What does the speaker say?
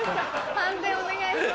判定お願いします。